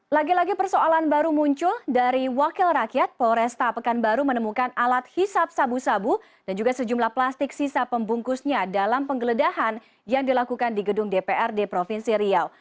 lagi lagi persoalan baru muncul dari wakil rakyat polresta pekanbaru menemukan alat hisap sabu sabu dan juga sejumlah plastik sisa pembungkusnya dalam penggeledahan yang dilakukan di gedung dprd provinsi riau